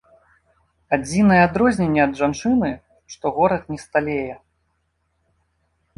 Адзінае адрозненне ад жанчыны, што горад не сталее.